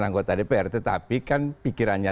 anggota dpr tetapi kan pikirannya